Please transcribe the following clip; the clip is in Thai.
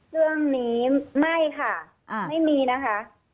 เรื่องนี้ไม่ค่ะไม่มีนะคะ